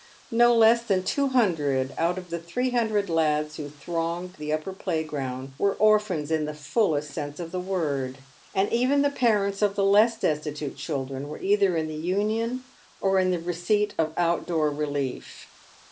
No less than two hundred out of the three hundred lads who thronged the upper playground were orphans in the fullest sense of the word, and even the parents of the less destitute children were either in the Union or in the re ceipt of out door relief.